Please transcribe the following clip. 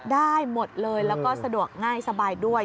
ได้หมดเลยแล้วก็สะดวกง่ายสบายด้วย